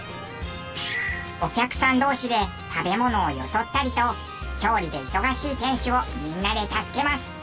お客さん同士で食べ物をよそったりと調理で忙しい店主をみんなで助けます。